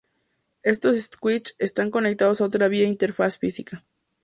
Estos switches están conectados a otros vía interfaz física.